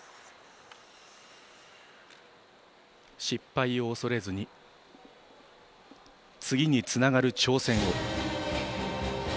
失敗を恐れずに次につながる挑戦を。